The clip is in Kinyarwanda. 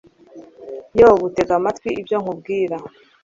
yobu, tega amatwi ibyo nkubwira